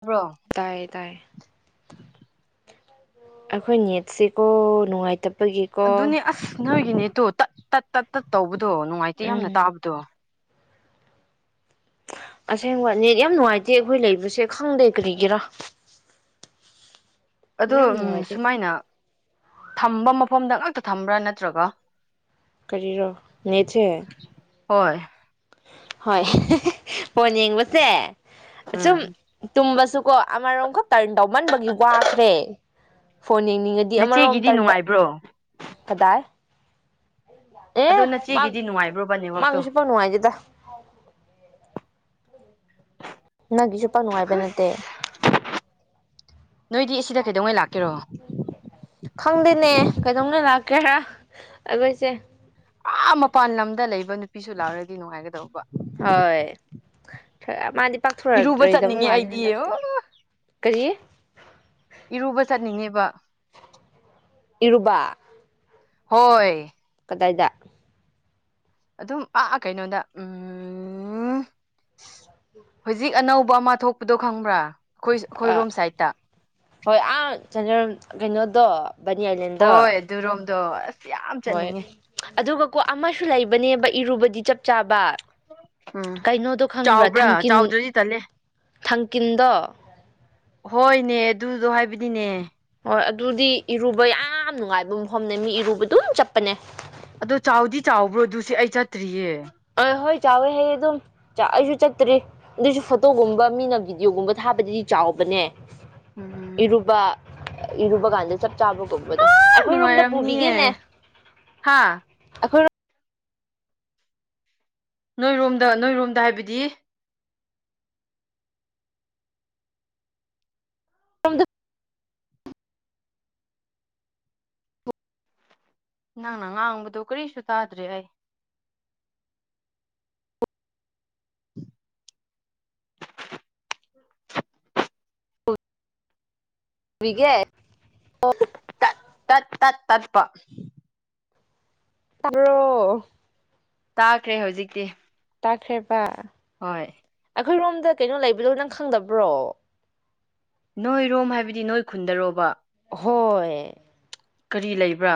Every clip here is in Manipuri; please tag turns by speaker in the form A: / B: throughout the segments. A: ꯕ꯭ꯔꯣ
B: ꯇꯥꯏꯌꯦ ꯇꯥꯏ ꯑꯩꯈꯣꯏ ꯌꯦꯠꯁꯤꯀ ꯅꯨꯡꯉꯥꯏ ꯇ
A: ꯑꯗꯨꯅꯤ ꯑꯁ ꯅꯣꯏ ꯏꯅꯦ ꯇꯣ ꯇꯠ ꯇꯠ ꯇꯠ ꯇꯠ ꯇꯧꯕ ꯑꯗꯣ ꯅꯨꯡꯉꯥꯏꯇꯦ
B: ꯎꯝ
A: ꯌꯥꯝꯅ ꯇꯥꯕꯗꯣ
B: ꯑꯁꯦꯡꯕꯅꯦ ꯌꯥꯝ ꯅꯨꯡꯉꯥꯏꯇꯦ ꯑꯩꯈꯣꯏ ꯂꯩꯕꯁꯦ ꯈꯪꯗꯦ ꯀꯔꯤꯒꯤꯔꯥ
A: ꯑꯗꯣ
B: ꯌꯥꯝ ꯅꯨꯡꯉꯥꯏꯇꯦ
A: ꯁꯨꯃꯥꯏꯅ ꯊꯝꯕ ꯃꯐꯝꯗ ꯉꯇ ꯊꯝꯕ꯭ꯔꯥ ꯅꯠꯇ꯭ꯔꯒ
B: ꯀꯔꯤꯔꯣ ꯅꯦꯆꯦ
A: ꯍꯣꯏ
B: ꯍꯣꯏ ꯄꯣꯟ ꯌꯦꯡꯕꯁꯦ ꯨꯝ
A: ꯎꯝ
B: ꯇꯨꯝꯕ ꯁꯨ ꯀꯣ ꯑꯃꯔꯣꯝꯈ ꯇꯔꯟ ꯇꯧꯃꯟꯕꯒꯤ ꯋꯥꯈ꯭ꯔꯦ ꯐꯣꯟ ꯌꯦꯡꯅꯤꯡꯉꯗꯤ
A: ꯅꯆꯦꯒꯤꯗꯤ
B: ꯑꯃꯔꯣꯝꯇꯪ
A: ꯅꯨꯡꯉꯥꯏꯕ꯭ꯔꯣ
B: ꯀꯗꯥꯏ ꯑꯦ
A: ꯑꯗꯣ
B: ꯃ
A: ꯅꯆꯦꯒꯤꯗꯤ ꯅꯨꯡꯉꯥꯏꯕ꯭ꯔꯣꯕ ꯅꯦꯠꯋꯥꯛꯇꯣ
B: ꯃꯒꯁꯨꯄꯅ ꯍꯥꯏ ꯗ ꯅꯅꯥ ꯒꯤꯤꯁꯣꯄꯥꯥ ꯅꯉꯥꯏꯕꯅꯦ ꯇ
A: ꯑꯁ ꯅꯣꯏꯗꯤ ꯑꯁꯤꯗ ꯀꯩꯗꯧꯉꯩ ꯂꯥꯛꯀꯦꯔꯣ
B: ꯈꯪꯗꯦꯅꯦ ꯀꯩꯗꯧꯅ ꯂꯥꯛꯀꯦꯔꯥ ꯑꯩꯈꯣꯏꯁꯦ
A: ꯑꯥ ꯃꯄꯥꯟ ꯂꯝꯗ ꯂꯩꯕ ꯅꯨꯄꯤꯁꯨ ꯂꯥꯎꯔꯗꯤ ꯅꯨꯡꯉꯥꯏꯒꯗꯧꯕ
B: ꯍꯣꯏ ꯃꯥꯗꯤ
A: ꯏꯔꯨꯕ
B: ꯄꯥꯛꯊꯣꯔꯛꯔꯣꯏꯗꯕ
A: ꯆꯠꯅꯤꯡꯉꯦ
B: ꯃꯥꯜꯂꯦ
A: ꯑꯩꯗꯤ ꯑꯣ
B: ꯍꯟꯗꯛꯇꯤ ꯀꯔꯤ
A: ꯏꯔꯨꯕ ꯆꯠꯅꯤꯡꯉꯦ [inaudible]
B: ꯏꯔꯕꯥ
A: ꯍꯣꯏ
B: ꯀꯗꯥꯏꯗ
A: ꯑꯗꯨꯝ ꯑ ꯀꯩꯅꯣꯗ ꯎꯝ ꯍꯧꯖꯤꯛ ꯑꯅꯧꯕ ꯑꯃ ꯊꯣꯛꯄꯗꯣ ꯈꯪꯕ꯭ꯔꯥ ꯑꯩꯈꯣꯏ ꯑꯩꯈꯣꯏ
B: ꯑꯥ
A: ꯔꯣꯝ ꯁꯥꯏꯗꯠꯇ
B: ꯍꯣꯏ ꯑꯥ ꯀꯩꯅꯣꯗꯣ ꯕꯅꯤ ꯑꯥꯏꯂꯦꯟꯗꯣ
A: ꯍꯣꯏ ꯑꯗꯨꯔꯣꯝꯗꯣ ꯑꯁ ꯌꯥꯝ
B: ꯍꯣꯏ
A: ꯆꯠꯅꯤꯡꯉꯦ
B: ꯑꯗꯨꯒ ꯀꯣ ꯑꯃꯁꯨ ꯂꯩꯕꯅꯦꯕ ꯏꯔꯨꯕꯗꯤ ꯆꯞ ꯆꯥꯕ
A: ꯎꯝ
B: ꯀꯩꯅꯣꯗꯣ ꯈꯪꯕ꯭ꯔꯥ
A: ꯆꯥꯎꯕ꯭ꯔꯥ
B: ꯊꯥꯡꯀꯤꯟ
A: ꯆꯥꯎꯗ꯭ꯔꯗꯤ ꯇꯜꯂꯦ
B: ꯊꯥꯡꯀꯤꯟꯗꯣ
A: ꯍꯣꯏꯅꯦ ꯑꯗꯨꯗꯣ ꯍꯥꯏꯕꯗꯤꯅꯦ
B: ꯍꯣꯏ ꯑꯗꯨꯗꯤ ꯏꯔꯨꯕ ꯌꯥꯝ ꯅꯨꯡꯉꯥꯏꯕ ꯃꯐꯝꯅꯦ ꯃꯤ ꯏꯔꯨꯕ ꯑꯗꯨꯝ ꯆꯠꯄꯅꯦ
A: ꯑꯗꯣ ꯆꯥꯎꯗꯤ ꯆꯥꯎꯕ꯭ꯔꯣ ꯑꯗꯨꯁ ꯑꯩ ꯆꯠꯇ꯭ꯔꯤꯌꯦ
B: ꯑ ꯍꯣꯏ ꯆꯥꯎꯋꯦ ꯍꯌꯦꯡ ꯑꯗꯨꯝ ꯑꯩꯁꯨ ꯆꯠꯇ꯭ꯔꯤ ꯑꯗꯨꯏꯁꯨ ꯐꯣꯇꯣꯒꯨꯝꯕ ꯃꯤꯅ ꯕꯤꯤꯗꯤꯑꯣꯒꯨꯝꯕ ꯊꯥꯕꯗꯗꯤ ꯆꯥꯎꯕꯅꯦ
A: ꯎꯝ
B: ꯏꯕ ꯏꯗꯨꯕꯒꯥꯟꯗ ꯆ ꯆꯥꯕ ꯀꯧꯕꯗꯣ ꯑꯩꯈꯣꯏ ꯔꯨꯝꯝꯗ
A: ꯅꯨꯡꯉꯥꯏꯔꯝꯅꯤꯌꯦ
B: ꯄꯨꯕꯤꯒꯦꯅꯦ
A: ꯍꯥ
B: ꯑꯩꯈꯣꯏ
A: ꯅꯣꯏꯔꯣꯝꯗ ꯅꯣꯏꯔꯣꯝꯗ ꯍꯥꯏꯕꯗꯤ ꯅꯪꯅ ꯉꯥꯡꯕꯗꯨ ꯀꯔꯤꯁꯨ ꯇꯥꯗ꯭ꯔꯦ ꯑꯩ
B: ꯍꯧꯒꯦ
A: ꯇ ꯇ ꯇꯠꯄ
B: ꯇꯣ
A: ꯇꯥꯈ꯭ꯔꯦ ꯍꯧꯖꯤꯛꯇꯤ
B: ꯇꯥꯛꯈ꯭ꯔꯦꯕ
A: ꯍꯣꯏ
B: ꯑꯩꯈꯣꯏꯔꯣꯝꯗ ꯀꯩꯅꯣ ꯂꯩꯕꯗꯣ ꯅꯪ ꯈꯪꯗꯕ꯭ꯔꯣ
A: ꯅꯣꯏꯔꯣꯝ ꯍꯥꯏꯕꯗꯤ ꯅꯣꯏ ꯈꯨꯟꯗꯔꯣꯕ
B: ꯍꯣꯏ
A: ꯀꯔꯤ ꯂꯩꯕ꯭ꯔꯥ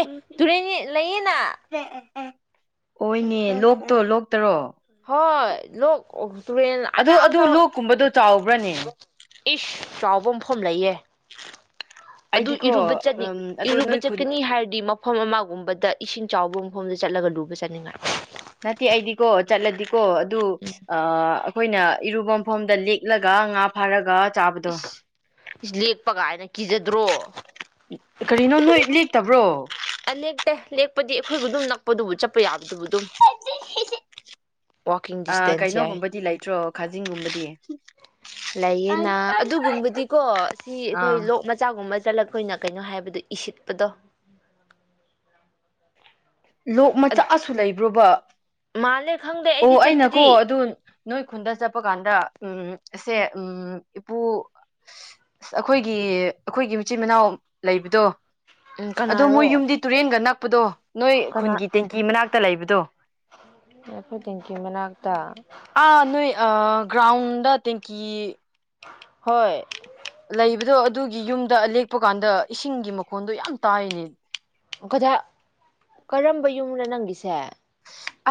B: ꯑꯦ ꯇꯨꯔꯦꯟ ꯂꯩꯌꯦꯅ
A: ꯑꯣꯏꯅꯦ ꯂꯣꯛꯇꯣ ꯂꯣꯛꯇꯔꯣ
B: ꯍꯣꯏ ꯂ ꯇꯨꯔꯦꯟ ꯑ
A: ꯑꯗꯣ ꯑꯗꯨ
B: ꯑꯖ
A: ꯂꯣꯛꯀꯨꯝꯕꯗꯣ ꯆꯥꯎꯕ꯭ꯔꯅꯦ
B: ꯏꯁ ꯆꯥꯎꯕ ꯃꯐꯝ ꯂꯩꯌꯦ ꯑꯗꯨ ꯏꯔꯨꯕ
A: ꯑꯩꯗꯤꯀꯣ
B: ꯆꯠꯅꯤꯡ
A: ꯎꯝ ꯑꯗꯨ
B: ꯏꯔꯨꯕ
A: ꯅꯣꯏ ꯈꯨꯟ
B: ꯆꯠꯀꯅꯤ ꯍꯥꯏꯔꯗꯤ ꯃꯐꯝ ꯑꯃꯒꯨꯝꯕꯗ ꯏꯁꯤꯡ ꯆꯥꯎꯕ ꯃꯣꯝꯗ ꯆꯠꯂꯒ ꯂꯨꯕ ꯆꯠꯅꯤꯡꯉꯥꯏ
A: ꯅꯠꯇꯦ ꯑꯩꯗꯤꯀꯣ ꯆꯠꯂꯗꯤ ꯀꯣ ꯑꯗꯨ
B: ꯎꯝ
A: ꯑꯩꯈꯣꯏꯅ ꯏꯔꯨꯕꯐꯝꯝꯗ ꯂꯤꯛꯂꯒ ꯉꯥ ꯐꯥꯔꯒ ꯆꯥꯕꯗꯣ
B: ꯏꯁ ꯏꯁ ꯂꯦꯛꯄ ꯀꯥꯏꯅ ꯀꯤꯖꯗ꯭ꯔꯣ
A: ꯀꯔꯤꯅꯣ ꯅꯣꯏ ꯂꯦꯛꯇꯕ꯭ꯔꯣ
B: ꯑ ꯂꯦꯛꯇꯦ ꯂꯦꯛꯄꯗꯤ ꯑꯩꯈꯣꯏꯕꯨ ꯑꯗꯨꯝꯅ ꯄꯗꯨꯕꯨ ꯆꯠꯄ ꯌꯥꯕꯗꯨꯕꯨ ꯑꯗꯨꯝ ꯋꯥꯛꯀꯤꯡ
A: ꯑ
B: ꯗꯤꯁꯇꯦꯟꯁ ꯌꯥꯏ
A: ꯀꯩꯅꯣꯒꯨꯝꯕꯗꯤ ꯂꯩꯇ꯭ꯔꯣ ꯈꯥꯖꯤꯡꯒꯨꯝꯕꯗꯤ
B: ꯂꯩꯌꯦꯅ ꯑꯗꯨꯒꯨꯝꯕꯗꯤꯀꯣ ꯁꯤ ꯑꯩꯈꯣꯏ
A: ꯑꯥ
B: ꯂꯣꯛ ꯃꯆꯥꯒꯨꯝꯕ ꯆꯠꯂꯛꯄ ꯑꯣꯏꯅ ꯀꯩꯅꯣ ꯍꯥꯏꯕꯗ ꯏꯁꯤꯠꯄꯗꯣ
A: ꯂꯣꯛ ꯃꯆꯥ ꯁꯨ ꯂꯩꯕ꯭ꯔꯣꯕ
B: ꯃꯥꯜꯂꯦ ꯈꯪꯗꯦ
A: ꯑꯣ
B: ꯑꯩꯗꯤ
A: ꯑꯩꯅꯀꯣ
B: ꯆꯠꯇ꯭ꯔꯤ
A: ꯑꯗꯨ ꯅꯣꯏ ꯈꯨꯟꯗ ꯆꯠꯄ ꯀꯥꯟꯗ ꯎꯝ ꯑꯁꯦ ꯎꯝ ꯏꯄꯨ ꯑꯩꯈꯣꯏꯒꯤ ꯑꯩꯈꯣꯏꯒꯤ ꯃꯆꯤꯟ ꯃꯅꯥꯎ ꯂꯩꯕꯗꯣ
B: ꯎꯝ
A: ꯑꯗꯣ ꯃꯣꯏ
B: ꯀꯅꯥꯔꯣ
A: ꯌꯨꯝꯗꯤ ꯇꯨꯔꯦꯟꯒ ꯅꯛꯄꯗꯣ ꯅꯣꯏ ꯈꯨꯟꯒꯤ ꯇꯦꯡꯀꯤ ꯃꯅꯥ ꯉꯥꯛꯇ ꯂꯩꯕꯗꯣ
B: ꯑꯩꯈꯣꯏꯗꯤꯡꯒꯤ ꯃꯅꯥꯛꯇ
A: ꯭ꯔꯥꯎꯟꯗ ꯇ
B: ꯍꯣꯏ
A: ꯂꯩꯕꯗꯣ ꯑꯗꯨꯒꯤ ꯌꯨꯝ ꯗ ꯂꯦꯛꯄ ꯀꯥꯟꯗ ꯏꯁꯤꯡꯒꯤ ꯃꯈꯣꯟꯗꯣ ꯌꯥꯝ ꯇꯥꯏꯅꯦ
B: ꯀꯖ ꯀꯔꯝꯕ ꯌꯨꯝꯅ ꯅꯪꯒꯤꯁꯦ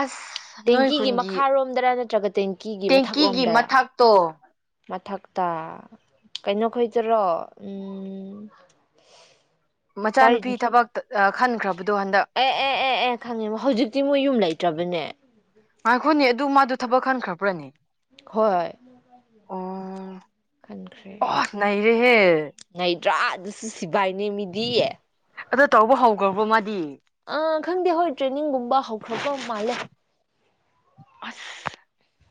A: ꯑꯁ ꯅꯣꯏ
B: ꯇꯦꯡꯀꯤꯒꯤ
A: ꯈꯨꯨꯟꯒꯤ
B: ꯃꯈꯥꯔꯣꯝꯗꯔ ꯅꯠꯇ꯭ꯔꯒ ꯇꯦꯡꯀꯤꯒꯤ
A: ꯇꯦꯡꯀꯤꯒꯤ
B: ꯃꯊꯛꯔꯣꯝꯗꯔ
A: ꯃꯊꯥꯛꯇꯣ
B: ꯃꯊꯛꯇ ꯀꯩꯅꯣ ꯈꯣꯏꯗꯔꯣ ꯎꯝ
A: ꯃꯆꯥꯅꯨꯄꯤ
B: ꯇꯥꯔꯤꯟ
A: ꯊꯕꯛ ꯈꯟꯈ꯭ꯔꯕ
B: ꯑꯦ ꯑꯦ ꯑꯦ ꯑꯦ ꯈꯪꯉꯤꯕ ꯍꯧꯖꯤꯛ ꯁꯤ ꯃꯣꯏ ꯌꯨꯝ ꯂꯩꯇ꯭ꯔꯕꯅꯦ
A: ꯉꯈꯣꯏꯅꯤ ꯑꯗꯨ ꯃꯥꯗꯨ ꯊꯕꯛ ꯈꯟꯈ꯭ꯔꯕ꯭ꯔꯅꯤ
B: ꯍꯣꯏ ꯈꯟꯈ꯭ꯔꯦ
A: ꯑꯣ ꯅꯩꯔꯦꯍꯦ
B: ꯉꯗ꯭ꯔꯥ ꯑꯗꯨꯁꯨ ꯁꯤꯕꯥꯏꯅꯦ ꯃꯤꯗꯤꯌꯦ
A: ꯑꯗꯣ ꯇꯧꯕ ꯍꯧꯈ꯭ꯔꯕꯣ ꯃꯥꯗꯤ
B: ꯑ ꯈꯪꯗꯦ ꯍꯣꯏ ꯇ꯭ꯔꯦꯅꯤꯡꯒꯨꯝꯕ ꯍꯧꯈ꯭ꯔꯕ ꯃꯥꯜꯂꯦ
A: ꯑꯁ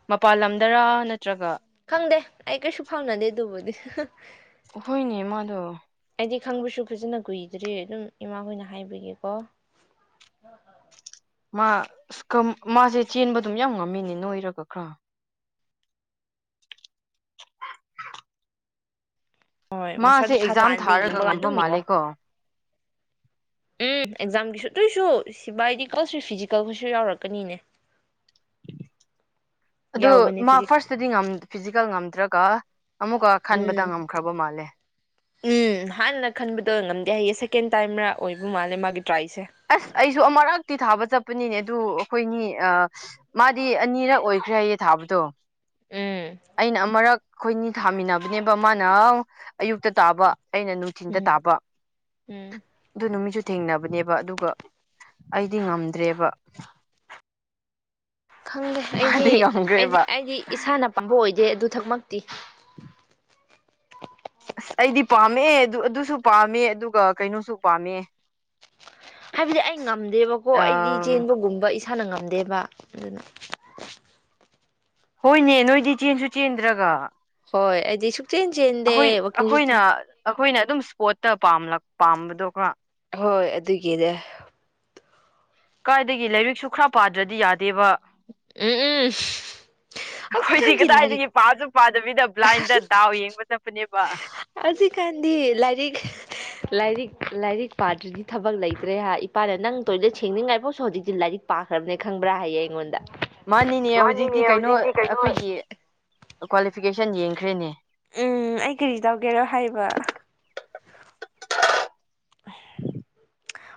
A: ꯃꯄꯥꯟ ꯂꯝꯗꯔ ꯅꯠꯇ꯭ꯔꯒ
B: ꯈꯪꯗꯦ ꯑꯩ ꯀꯩꯁꯨ ꯐꯥꯎꯅꯗꯦ ꯑꯗꯨꯕꯨꯗꯤ
A: ꯍꯣꯏꯅꯤ ꯃꯥꯗ
B: ꯍꯥꯏꯗꯤ ꯈꯪꯕꯁꯨ ꯐꯖꯅ ꯀꯨꯏꯗ꯭ꯔꯤ ꯑꯗꯨꯝ ꯏꯃꯥ ꯍꯣꯏꯅ ꯍꯥꯏꯕꯒꯦꯀꯣ
A: ꯃꯥ ꯃꯥꯁꯦ ꯆꯦꯟꯕ ꯑꯗꯨꯝ ꯌꯥꯝ ꯉꯝꯃꯤꯅꯦ ꯅꯣꯏꯔꯒ ꯈꯔ
B: ꯍꯣꯏ
A: ꯃꯥꯁꯦ
B: ꯃꯁꯥꯗꯣ ꯊꯥ
A: ꯑꯦꯛꯖꯥꯝ
B: ꯇꯥꯟꯅ
A: ꯊꯥꯔꯒ
B: ꯌꯦꯡꯕ ꯀꯥꯟ
A: ꯉꯝꯕ
B: ꯑꯗꯨꯝ ꯌꯦꯡꯉꯣ
A: ꯃꯥꯜꯂꯦ ꯀꯣ
B: ꯎꯝ ꯑꯦꯛꯖꯥꯝꯒꯤ ꯁꯠꯇꯣꯏꯁꯨ ꯁꯤꯕꯥ ꯍꯥꯏꯗꯤ ꯀꯁꯨ ꯐꯤꯖꯤꯀꯦꯜ ꯈꯩꯁꯨ ꯌꯥꯎꯔꯛꯀꯅꯤꯅꯦ
A: ꯑꯗꯣ
B: ꯌꯥꯎꯕꯅꯦ
A: ꯃꯥ
B: ꯐꯤꯖꯤꯛ
A: ꯐꯥꯔꯁꯇꯗꯤ ꯐꯤꯖꯤꯀꯦꯜ ꯉꯝꯗ꯭ꯔꯥ ꯀꯥ
B: ꯎꯝ ꯎꯝ ꯍꯥꯟꯅ ꯈꯟꯕꯗꯣ ꯉꯝꯗꯦ ꯍꯥꯏꯌꯦ ꯇꯀꯦꯟ ꯇꯥꯏꯝꯥ ꯑꯣꯏꯕ ꯃꯥꯜꯂꯦ ꯃꯥꯒꯤ ꯇ꯭ꯔꯥꯏꯁꯦ
A: ꯑꯁ ꯑꯩꯁꯨ ꯑꯃꯔꯥꯛꯇꯤ ꯊꯥꯕ ꯆꯠꯄ ꯆꯄꯅꯤꯅꯦ ꯑꯗꯨ ꯑꯩꯈꯣꯏꯅꯤ ꯃꯥꯗꯤ ꯑꯅꯤꯔꯛ ꯑꯣꯏꯈ꯭ꯔꯦ ꯍꯥꯏꯌꯦ ꯊꯥꯕꯗꯣ
B: ꯎꯝ
A: ꯑꯩꯅ ꯑꯃꯨꯔꯛ ꯑꯩꯈꯣꯏꯅꯤ ꯊꯥꯃꯤꯟꯅꯕꯅꯦꯕ ꯃꯥꯅ ꯑꯌꯨꯛꯇ ꯇꯥꯕ ꯑꯩꯅ ꯅꯨꯡꯊꯤꯟꯜꯗ
B: ꯎꯝ
A: ꯇꯥꯕ
B: ꯎꯝ
A: ꯑꯗꯨ ꯅꯨꯃꯤꯠꯁꯨ ꯊꯦꯡꯅꯕ ꯅꯦꯕ ꯑꯗꯨ ꯑꯗꯨꯒ ꯑꯩꯗꯤ ꯉꯝꯗ꯭ꯔꯦꯕ
B: ꯈꯪꯗꯦ ꯑꯩꯗꯤ
A: ꯃꯥꯗꯤ
B: ꯑꯩꯗꯤ
A: ꯉꯝꯈ꯭ꯔꯦꯕ
B: ꯑꯩꯗꯤ ꯏꯁꯥꯅ ꯄꯥꯝꯕ ꯑꯣꯏꯗꯦ ꯑꯗꯨ ꯊꯛꯃꯛꯇꯤ
A: ꯑꯁ ꯑꯩꯗꯤ ꯄꯥꯝꯃꯦ ꯑꯗꯨ ꯑꯗꯨꯁꯨ ꯄꯥꯝꯃꯦ ꯑꯗꯨꯒ ꯀꯩꯅꯣꯁꯨ ꯄꯥꯝꯃꯦ
B: ꯍꯥꯏꯕꯗꯤ ꯑꯩ ꯉꯝꯗꯦꯕꯀꯣ
A: ꯑ
B: ꯑꯩꯗꯤ ꯆꯦꯟꯕꯒꯨꯝꯕ ꯁꯥꯟꯅ ꯉꯝꯗꯦꯕ ꯑꯗꯨꯅ
A: ꯍꯣꯏꯅꯦ ꯅꯣꯏꯗꯤ ꯆꯦꯟꯁꯨ ꯆꯦꯟꯗ꯭ꯔꯒ
B: ꯍꯣꯏ ꯑꯩꯗꯤꯁꯨ
A: ꯑꯩꯈꯣꯏ ꯑꯩꯈꯣꯏꯅ ꯑꯩꯈꯣꯏꯅ ꯑꯗꯨꯝ ꯏꯁꯄꯣꯔꯠꯇꯥꯝꯂ ꯄꯥꯝꯕꯗꯣ ꯈꯔ
B: ꯍꯣꯏ ꯑꯗꯨꯒꯤꯅꯦ
A: ꯀꯥꯏꯗꯒꯤ ꯂꯥꯏꯔꯤꯛꯁꯨ ꯈꯔ ꯄꯥꯗ꯭ꯔꯗꯤ ꯌꯥꯗꯦꯕ
B: ꯎꯝ ꯎꯝ
A: ꯑꯩꯈꯣꯏꯗꯤ
B: ꯍꯧꯖꯤꯛꯀꯥꯟꯗꯤ ꯂꯥꯏꯔꯤꯛ
A: ꯀꯗꯥꯏꯗꯒꯤ ꯄꯥꯁꯨ ꯄꯥꯗꯕꯤꯗ ꯕ꯭ꯂꯥꯏꯟꯗ ꯗꯥꯎ ꯌꯦꯡꯕ ꯆꯠꯄꯅꯦꯕ
B: ꯍꯧꯖꯤꯛꯀꯥꯟꯗꯤ ꯂꯥꯏꯔꯤꯛ ꯂꯥꯏꯔꯤꯛ ꯂꯥꯏꯔꯤꯛ ꯄꯥꯗ꯭꯭ꯔꯗꯤ ꯊꯕꯛ ꯂꯩꯇ꯭ꯔꯦ ꯍꯥꯏ ꯏꯄꯥꯅ ꯅꯪ ꯇꯣꯏꯂꯦꯠ ꯁꯦꯡꯅꯤꯡꯉꯥꯏꯐꯥꯎꯁꯨ ꯍꯧꯖꯤꯛꯇꯤ ꯂꯥꯏꯔꯤꯛ ꯄꯥꯈ꯭ꯔꯕꯅꯦ ꯈꯪꯕ꯭ꯔꯥ ꯍꯥꯏꯌꯦ ꯑꯩꯉꯣꯟꯗ
A: ꯃꯥꯅꯤꯅꯦ ꯍꯧꯖꯤꯛꯇꯤ ꯀꯩꯅꯣ ꯑꯩꯈꯣꯏꯒꯤ ꯀ꯭ꯋꯥꯂꯤꯐꯤꯀꯦꯁꯟ ꯌꯦꯡꯈ꯭ꯔꯦꯅꯦ
B: ꯎꯝ ꯑꯩ ꯀꯔꯤ ꯇꯧꯒꯦꯔꯣ ꯍꯥꯏꯕ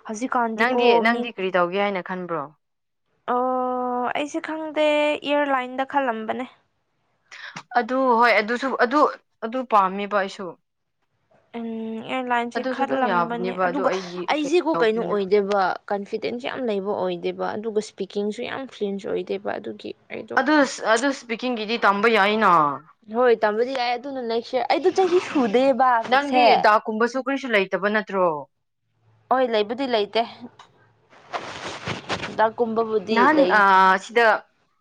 B: ꯍꯧꯖꯤꯛꯀꯥꯟꯗꯤꯀꯣ
A: ꯅꯪꯗꯤ
B: ꯃꯤ
A: ꯅꯪꯗꯤ ꯀꯔꯤ ꯇꯧꯒꯦ ꯍꯥꯏꯅ ꯈꯟꯕ꯭ꯔꯣ
B: ꯑꯣ ꯑꯩꯁꯦ ꯈꯪꯗꯦ ꯏꯌꯥꯔꯂꯥꯏꯟꯗ ꯈꯜꯂꯝꯕꯅꯦ
A: ꯑꯗꯨ ꯍꯣꯏ ꯑꯗꯨꯁꯨ ꯑꯗꯨ ꯑꯗꯨ ꯄꯥꯝꯃꯦꯕ ꯑꯩꯁꯨ
B: ꯎꯝ ꯑꯦꯌꯥꯔꯂꯥꯏꯟꯁꯦ
A: ꯑꯗꯨꯁꯨ ꯑꯗꯨꯝ
B: ꯈꯜꯂꯝꯕꯅꯦ
A: ꯌꯥꯕꯅꯦꯕ ꯑꯗꯨ
B: ꯑꯗꯨꯒ
A: ꯑꯩꯗꯤ ꯀꯩ
B: ꯑꯩꯁꯤꯕꯨ ꯀꯩꯅꯣ
A: ꯇꯧꯕꯅꯤꯅ
B: ꯑꯣꯏꯗꯣꯏꯕ ꯀꯟꯐꯤꯗꯦꯟꯁ ꯌꯥꯝ ꯂꯩꯕ ꯑꯣꯏꯗ ꯗꯦꯕ ꯑꯗꯨꯒ ꯁ꯭ꯄꯤꯀꯤꯡꯁꯨ ꯌꯥꯝ ꯀ꯭ꯂꯤꯟꯁ ꯑꯣꯏꯗꯦꯕ ꯑꯗꯨꯒꯤ ꯑꯩꯗꯣ
A: ꯑꯗꯨ ꯑꯗꯨ ꯄꯤꯀꯤꯡꯒꯤꯤꯗꯤ ꯇꯝꯕꯩ ꯑꯏꯅ
B: ꯍꯣꯏ ꯇꯕ ꯌꯥ ꯑꯗꯨꯅ ꯂꯩꯁ ꯑꯩꯗ ꯆꯍꯤ ꯁꯨꯗꯦꯕ ꯍꯧꯖꯤꯛꯁꯦ
A: ꯀꯨꯔꯤꯁꯨ ꯂꯩꯇꯕ ꯅꯠꯇ꯭ꯔꯣ
B: ꯍꯣꯏ ꯂꯩꯕꯨꯗꯤ ꯂꯩꯇꯦ ꯍꯤꯗꯥꯛꯀꯨꯝꯕꯕꯨꯗꯤ
A: ꯅꯍꯥꯟ
B: ꯂꯩ
A: ꯁꯤꯗ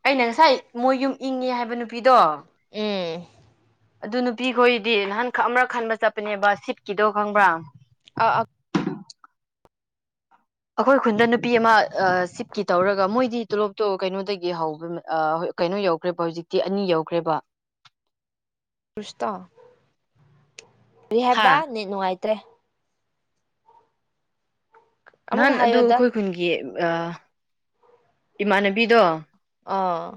A: ꯑꯩꯅ ꯉꯁꯥꯏ ꯃꯣꯏ ꯌꯨꯝ ꯏꯪꯉꯦ ꯍꯥꯏꯕ ꯅꯨꯄꯤꯗꯣ
B: ꯍ
A: ꯑꯗꯨ ꯅꯨꯄꯤ ꯈꯣꯏꯗꯤ ꯅꯍꯥꯟ ꯈꯛ ꯑꯃꯔꯛ ꯈꯟꯕ ꯆꯠꯄꯅꯦꯕ ꯁꯤꯠꯀꯤꯗꯣ ꯈꯪꯕ꯭ꯔꯥ
B: ꯑ ꯑ
A: ꯑꯩꯈꯣꯏ ꯈꯨꯟꯗ ꯅꯨꯄꯤ ꯑꯃ ꯁꯤꯞꯀꯤ ꯇꯧꯔꯒ ꯃꯣꯏꯗꯤ ꯇꯣꯂꯣꯞ ꯇꯣꯂꯣꯞ ꯀꯩꯅꯣꯗꯒꯤ ꯍꯧꯕ ꯀꯩꯅꯣ ꯌꯧꯈ꯭ꯔꯦꯕ ꯍꯧꯖꯤꯛꯇꯤ ꯑꯅꯤ ꯌꯧꯈ꯭ꯔꯦꯕ
B: ꯔꯁꯇꯥ
A: ꯍꯥ
B: ꯔꯤꯍꯦꯕ ꯅ ꯅꯨꯡꯉꯥꯏ ꯇ꯭ꯔꯦ
A: ꯅꯍꯥꯟ
B: ꯑꯃꯨꯛꯀ
A: ꯑꯗꯨ
B: ꯍꯥꯏꯌꯣꯗ
A: ꯑꯩꯈꯣꯏ ꯈꯨꯟꯒꯤ ꯏꯃꯥꯟꯅꯕꯤꯗꯣ
B: ꯑꯥ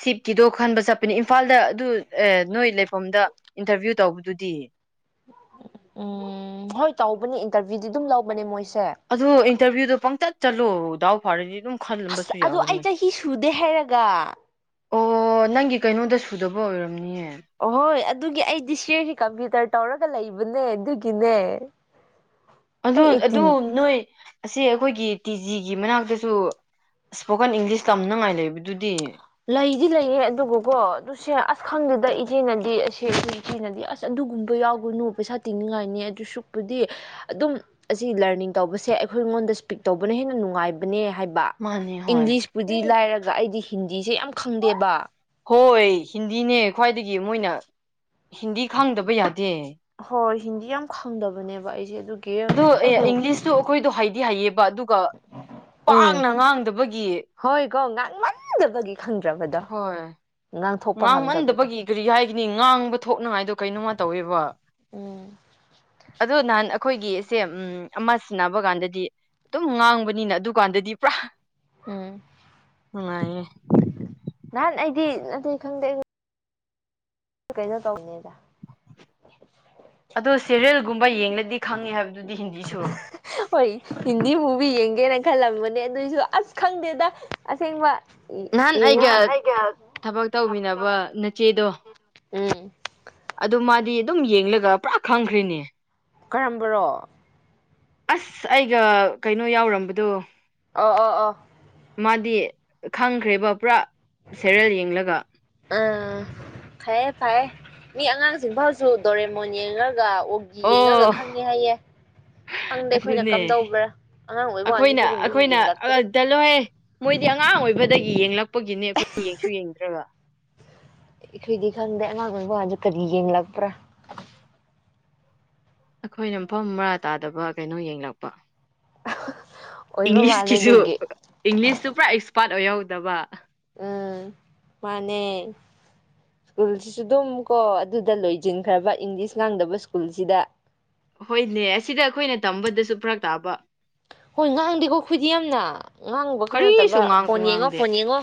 A: ꯁꯤꯞꯀꯤꯗꯣ ꯈꯟꯕ ꯆꯠꯄꯅꯦ ꯏꯝꯐꯥꯜꯗ ꯑꯗꯨ ꯅꯣꯏ ꯂꯩꯐꯝꯗ ꯏꯟꯇꯔꯚꯤꯌꯨ ꯇꯧꯕꯗꯨꯗꯤ
B: ꯎꯝ ꯎꯝ ꯍꯣꯏ ꯇꯧꯕꯅꯦ ꯏꯟꯇꯔꯚꯤꯌꯨꯗꯤ ꯑꯗꯨꯝ ꯂꯧꯕꯅꯦ ꯃꯣꯏꯁꯦ
A: ꯑꯗꯨ ꯏꯟꯇꯔꯚꯤꯌꯨꯗꯣ ꯄꯪꯇꯠ ꯆꯂꯣꯗꯗꯥꯎ ꯐꯥꯔꯅꯤ ꯑꯗꯨ
B: ꯑꯁ ꯑꯗꯨ ꯑꯩ ꯆꯍꯤ ꯁꯨꯗꯦ ꯍꯥꯏꯔꯒ
A: ꯑꯣ ꯅꯪꯒꯤ ꯀꯩꯅꯣꯗ ꯁꯨꯗꯕ ꯑꯣꯏꯔꯝꯅꯤꯌꯦ
B: ꯑꯣꯍꯣꯏ ꯑꯗꯨꯒꯤ ꯑꯩꯗꯤ ꯁꯤꯁꯤ ꯀꯝꯄ꯭ꯌꯨꯇꯔ ꯇꯧꯔꯒ ꯂꯩꯕꯅꯦ ꯑꯗꯨꯒꯤꯅꯦ
A: ꯑꯗꯨ ꯑꯗꯨ
B: ꯑꯩꯠꯇꯤꯟ
A: ꯅꯣꯏ ꯑꯁꯤ ꯑꯩꯈꯣꯏꯒꯤ ꯇꯤ ꯖꯤꯒꯤ ꯃꯅꯥꯛꯇꯁꯨ ꯏꯁ꯭ꯄꯣꯀꯟ ꯏꯪꯂꯤꯁ ꯇꯝꯅꯉꯥꯏ ꯂꯩꯕꯗꯨꯗꯤ
B: ꯂꯩꯗꯤ ꯂꯩꯌꯦ ꯑꯗꯨꯒꯀꯣ ꯑꯗꯨꯁꯦ ꯑꯁ ꯈꯪꯗꯦꯗ ꯏꯆꯦꯅꯗꯤ ꯑꯁꯦ ꯏꯆꯦꯅꯗꯤ ꯑꯁ ꯑꯗꯨꯒꯨꯝꯕ ꯌꯥꯎꯒꯅꯨ ꯄꯩꯁꯥ ꯇꯤꯡꯅꯤꯡꯉꯥꯏꯅꯤ ꯑꯗꯨ ꯁꯨꯛꯄꯨꯗꯤ ꯑꯗꯨꯝ ꯑꯁꯤ ꯂꯔꯅꯤꯡ ꯇꯧꯕꯁꯦ ꯑꯩꯈꯣꯏ ꯑꯩꯉꯣꯟꯗ ꯏꯁꯄꯤꯛ ꯇꯧꯕꯅ ꯍꯦꯟꯅ ꯅꯨꯡꯉꯥꯏꯕꯅꯦ ꯍꯥꯏꯕ
A: ꯃꯥꯅꯦ ꯍꯣꯏ
B: ꯏꯪꯂꯤꯁꯄꯨꯗꯤ ꯂꯥꯏꯔꯒ ꯑꯩꯗꯤ ꯍꯤꯟ ꯗꯤꯁꯦ ꯌꯥꯝ ꯈꯪꯗꯦꯕ
A: ꯍꯣꯏ ꯍꯤꯟꯗꯤꯅꯦ ꯈ꯭ꯋꯥꯏꯗꯒꯤ ꯃꯣꯏꯅ ꯍꯤꯟꯗꯤ ꯈꯪꯗꯕ ꯌꯥꯗꯦ
B: ꯍꯣꯏ ꯍꯤꯟꯗꯤ ꯌꯥꯝ ꯈꯪꯗꯕꯅꯦꯕ ꯑꯩꯁꯦ ꯑꯗꯨꯒꯤ
A: ꯑꯗꯣ
B: ꯑꯩꯒꯤ
A: ꯏꯪꯂꯤꯁꯇꯨ ꯑꯩꯈꯣꯏꯗꯣ ꯍꯥꯏꯗꯤ ꯍꯥꯏꯌꯦ ꯄ ꯑꯗꯨꯒ
B: ꯎꯝ
A: ꯄꯥꯛꯅ ꯉꯥꯡꯗꯕꯒꯤ
B: ꯍꯣꯏꯀꯣ ꯉꯥꯡꯃꯟꯗꯕꯒꯤ ꯈꯪꯗ꯭ꯔꯕꯗꯣ
A: ꯍꯣꯏ
B: ꯉꯥꯡꯊꯣꯛꯄ ꯉꯝꯗꯕꯗꯣ
A: ꯉꯥꯡꯃꯟꯗꯕꯒꯤ ꯀꯔꯤ ꯍꯥꯏꯒꯅꯤ ꯉꯥꯡꯕ ꯊꯣꯛꯅꯉꯥꯏꯗꯣ ꯀꯩꯅꯣꯃ ꯇꯧꯋꯦꯕ
B: ꯎꯝ
A: ꯑꯗꯣ ꯅꯍꯥꯟ ꯑꯩꯈꯣꯏꯒꯤꯁꯦ ꯎꯝ ꯑꯃ ꯁꯤꯟꯅꯕ ꯀꯥꯟꯗꯗꯤ ꯑꯗꯨꯝ ꯉꯥꯡꯕꯅꯤꯅ ꯑꯗꯨꯀꯥꯟꯗꯗꯤ ꯄꯨꯔꯥ
B: ꯎꯝ
A: ꯅꯨꯉꯥꯏꯌꯦ
B: ꯇꯤ ꯑꯇꯩ ꯈꯪꯗꯦ ꯀꯩꯅꯣ ꯇꯧꯅꯤꯕꯗ
A: ꯒꯨꯝꯕ ꯌꯦꯡꯂꯗꯤ ꯈꯪꯉꯤ ꯍꯥꯏꯕ
B: ꯍꯣꯏ ꯍꯤꯟꯗꯤ ꯃꯨꯕꯤ ꯌꯦꯡ ꯀꯦꯅ ꯈꯜꯂꯝꯕꯅꯦ ꯑꯗꯨꯏꯁꯨ ꯑꯁ ꯈꯪꯗꯦꯗ ꯑꯁꯦꯡꯕ
A: ꯅꯍꯥꯟ ꯑꯩꯒ ꯊꯕꯛ ꯇꯧꯕꯤꯅꯕ ꯅꯆꯦꯗꯣ
B: ꯎꯝ
A: ꯑꯗꯨ ꯃꯥꯗꯤ ꯑꯗꯨꯝ ꯌꯦꯡꯂꯒ ꯄꯨꯔꯥ ꯈꯪꯈ꯭ꯔꯦꯅꯦ
B: ꯀꯔꯝꯕꯔꯣ
A: ꯑꯁ ꯑꯩꯒ ꯀꯩꯅꯣ ꯌꯥꯎꯔꯝꯕꯗꯣ
B: ꯑ ꯑ ꯑ
A: ꯃꯥꯗꯤ ꯈꯪꯈ꯭ꯔꯦꯕ ꯄꯨꯔꯥ ꯁꯦꯔꯦꯜ ꯌꯦꯡꯂꯒ
B: ꯎꯝ ꯐꯌꯦ ꯐꯌꯦ ꯃꯤ ꯑꯉꯥꯡꯁꯤꯡꯐꯥꯎꯁꯨ ꯗꯣꯔꯦꯃꯣꯟ ꯌꯦꯡꯉꯒ ꯑꯣꯒꯤ ꯌꯦꯡꯉꯒ
A: ꯑꯣ
B: ꯈꯪꯉꯦ ꯍꯥꯏꯌꯦ ꯈꯪꯗꯦ ꯑꯩꯈꯣꯏꯅ
A: ꯑꯗꯨꯅꯦ
B: ꯀꯝꯗꯧꯕ꯭ꯔꯥ ꯑꯉꯥꯡ ꯑꯣꯏꯕ ꯀꯥꯟꯁꯨ
A: ꯑꯩꯈꯣꯏꯅ
B: ꯑꯗꯨꯒꯨꯝꯕꯗꯨ ꯌꯦꯡꯂꯛꯇꯦ
A: ꯁꯤ ꯑꯉꯥꯡ ꯑꯣꯏꯕꯗꯒꯤ ꯌꯦꯡꯂꯛꯄꯒꯤꯅꯦ ꯑꯩꯈꯣꯏ ꯌꯦꯡꯁꯨ ꯌꯦꯡꯗ꯭ꯔꯒ
B: ꯏꯈꯣꯏꯗꯤ ꯈꯪꯗꯦ ꯑꯉꯥꯡ ꯑꯣꯏꯕ ꯀꯥꯟꯗ ꯀꯔꯤ ꯌꯦꯑꯂꯛꯄ꯭ꯔꯥ
A: ꯑꯩꯈꯣꯏꯅ ꯃꯐꯝ ꯃꯔꯥ ꯇꯥꯗꯕ ꯀꯩꯅꯣ ꯌꯦꯡꯂꯛꯄ
B: ꯑꯣꯏꯕ ꯃꯥꯜꯂꯦ
A: ꯏꯪꯂꯤꯁꯀꯤꯁꯨ
B: ꯑꯗꯨꯒꯤ
A: ꯏꯪꯂꯤꯁ ꯄꯨꯔꯥ ꯄꯥꯠ ꯑꯣꯏ ꯍꯧꯗꯕ
B: ꯎꯝ ꯃꯥꯅꯦ ꯁ꯭ꯀꯨꯜꯁꯤꯁꯨ ꯑꯗꯨꯝ ꯀꯣ ꯑꯗꯨꯗ ꯂꯣꯏꯁꯤꯟꯈ꯭ꯔꯕ ꯏꯪꯂꯤꯁ ꯉꯥꯡꯗꯕ ꯁ꯭ꯀꯨꯜꯁꯤꯗ
A: ꯍꯣꯏꯅꯦ ꯑꯁꯤꯗ ꯑꯩꯈꯣꯏꯅ ꯇꯝꯕꯗꯁꯨ ꯐꯔꯛ ꯇꯥꯕ
B: ꯍꯣꯏ ꯉꯥꯡꯗꯦꯀꯣ ꯈꯣꯏꯗꯤ ꯌꯥꯝꯅ ꯉꯥꯡꯉꯨꯕ ꯈꯛ
A: ꯀꯔꯤꯁꯨ
B: ꯅꯠꯇꯕ
A: ꯉꯥꯡꯁꯨ
B: ꯐꯣꯟ ꯌꯦꯡꯉꯣ
A: ꯉꯥꯡꯗꯦ
B: ꯐꯣꯟ ꯌꯦꯡꯉꯣ